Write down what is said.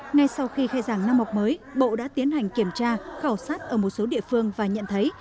ngay sau khi khai giảng năm học mới bộ đã tiến hành kiểm tra khảo sát ở một số địa phương và nhận thấy